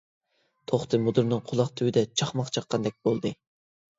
توختى مۇدىرنىڭ قۇلاق تۈۋىدە چاقماق چاققاندەك بولدى.